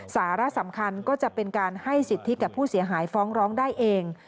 สาระสำคัญก็จะเป็นการให้สิทธิกับผู้เสียหายฟ้องร้องได้เอง